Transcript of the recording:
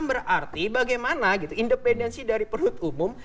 yang berarti bagaimana gitu independensi dari perhut umum